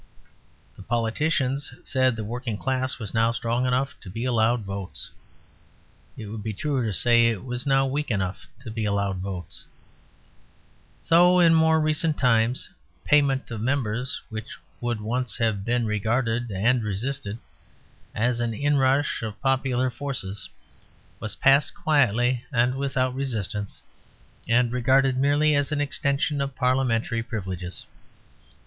The politicians said the working class was now strong enough to be allowed votes. It would be truer to say it was now weak enough to be allowed votes. So in more recent times Payment of Members, which would once have been regarded (and resisted) as an inrush of popular forces, was passed quietly and without resistance, and regarded merely as an extension of parliamentary privileges.